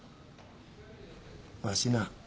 わしな